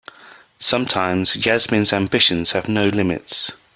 Sometimes Yasmin's ambitions have no limits.